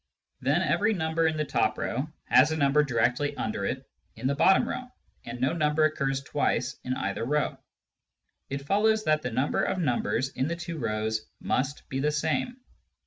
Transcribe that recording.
Then every number in the top row has a number directly under it in the bottom row, and no number occurs twice in either row. It follows that the number of numbers in the two rows must be the same.